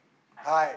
はい。